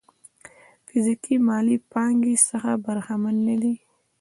فزيکي مالي پانګې څخه برخمن نه دي.